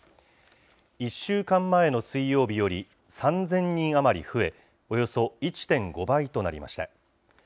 １週間前の水曜日より３０００人余り増え、およそ１．５倍となりました。